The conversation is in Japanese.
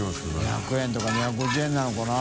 ２００円とか２５０円なのかな？